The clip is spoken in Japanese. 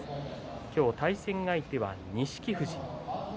今日対戦相手は、錦富士。